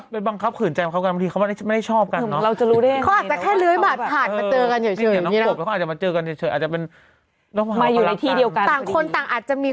เป็นบางครับขืนใจมันครับกันบางที